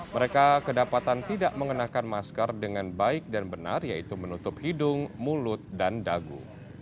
mereka kedapatan tidak mengenakan masker dengan baik dan benar yaitu menutup hidung mulut dan dagu